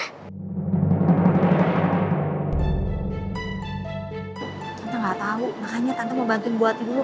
tante gak tau makanya tante mau bantuin bu ati dulu